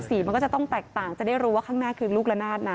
มันก็จะต้องแตกต่างจะได้รู้ว่าข้างหน้าคือลูกละนาดนะ